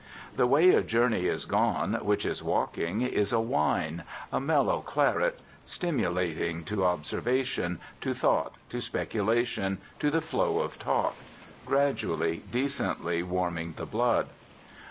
The way a journey is gone, which is walking, is a wine, a mellow claret, stimulating to observation, to thought, to speculation, to the flow of talk, gradually, decently warming the blood.